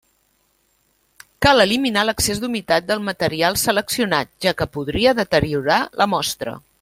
Cal eliminar l'excés d'humitat del material seleccionat, ja que podria deteriorar la mostra.